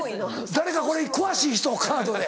誰かこれ詳しい人カードで。